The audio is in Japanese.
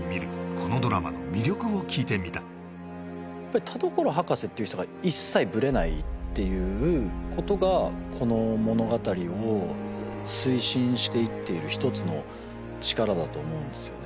このドラマの魅力を聞いてみた田所博士っていう人が一切ぶれないっていうことがこの物語を推進していっている一つの力だと思うんですよね